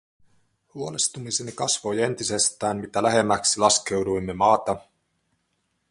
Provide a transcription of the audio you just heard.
Huolestumiseni kasvoi entisestään mitä lähemmäksi laskeuduimme maata.